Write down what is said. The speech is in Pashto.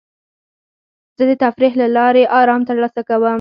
زه د تفریح له لارې ارام ترلاسه کوم.